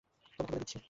তোমাকে বলে দিচ্ছি।